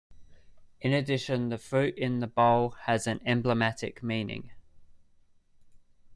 In addition, the fruit in the bowl has an emblematic meaning.